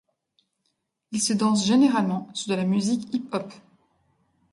Ils se dansent généralement sur de la musique hip-hop.